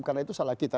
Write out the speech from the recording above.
karena itu salah kita